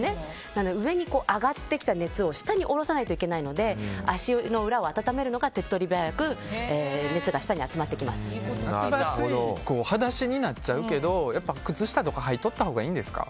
なので上に上がってきた熱を下におろさないといけないので足の裏を温めるのが手っ取り早く夏場ついはだしになっちゃうけど靴下とかはいとったほうがいいんですか？